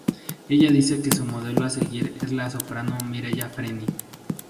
Ella dice que su modelo a seguir es la soprano Mirella Freni.